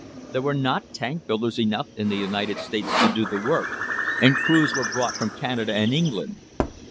There were not tank builders enough in the United States to do the work, and crews were brought from Canada and England.